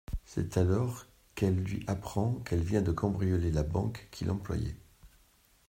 C'est alors qu'elle lui apprend qu'elle vient de cambrioler la banque qui l'employait.